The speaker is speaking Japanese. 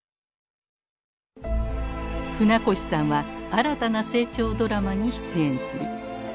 船越さんは新たな清張ドラマに出演する。